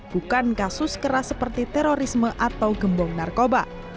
bukan kasus keras seperti terorisme atau gembong narkoba